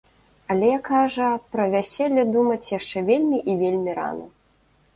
Але, кажа, пра вяселле думаць яшчэ вельмі і вельмі рана.